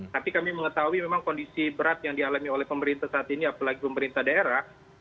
tapi kami mengetahui memang kondisi berat yang dialami oleh pemerintah saat ini apalagi pemerintah daerah